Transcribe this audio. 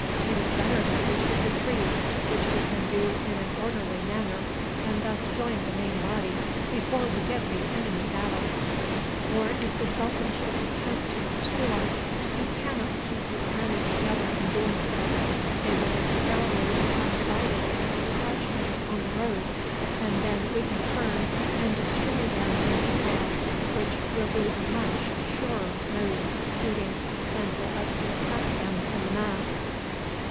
It is better that we should retreat, which we can do in an orderly manner, and thus join the main body before we give the enemy battle. Or, if the sultan should attempt to pursue us, he can not keep his army together in doing so. They will necessarily become divided into detachments on the road, and then we can turn and destroy them in detail, which will be a much surer mode of proceeding than for us to attack them in the mass."